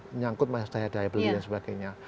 menyangkut masyarakat daya beli dan sebagainya